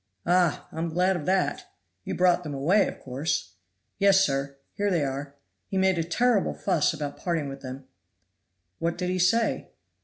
"Ah! I am glad of that. You brought them away, of course?" "Yes, sir; here they are. He made a terrible fuss about parting with them." "What did he say?"